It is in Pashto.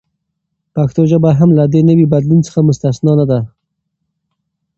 پښتو ژبه هم له دې نوي بدلون څخه مستثناء نه ده.